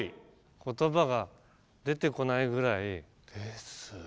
言葉が出てこないぐらい。ですね。